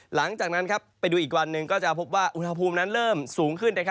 หลังจากนั้นไปดูอีกวันหนึ่งก็จะพบว่าอุณหภูมินั้นเริ่มสูงขึ้น